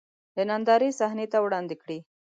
د نندارې صحنې ته وړاندې کړي.